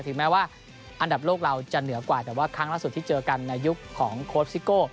แม้ว่าอันดับโลกเราจะเหนือกว่าแต่ว่าครั้งล่าสุดที่เจอกันในยุคของโค้ชซิโก้